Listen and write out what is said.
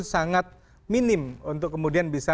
sangat minim untuk kemudian bisa